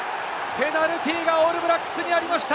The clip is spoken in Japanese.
ペナルティーがオールブラックスにありました。